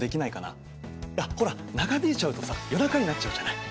いやほら長引いちゃうとさ夜中になっちゃうじゃない。